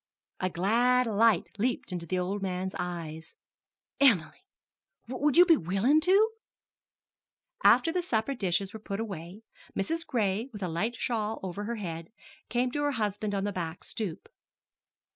A glad light leaped into the old man's eyes. "Em'ly would you be willin' to?" After the supper dishes were put away, Mrs. Gray, with a light shawl over her head, came to her husband on the back stoop.